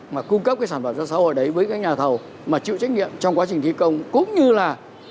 mà cung cấp cái sản phẩm cho xã hội đấy với các nhà thầu mà chịu trách nhiệm trong quá trình thi công cũng như là